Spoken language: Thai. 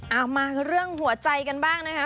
มาเรื่องหัวใจกันบ้างนะคะ